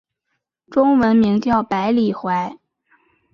中文名叫白理惟。